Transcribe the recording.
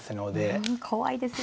うん怖いですね。